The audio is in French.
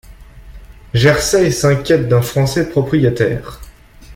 Jersey s’inquiète d’un français propriétaire.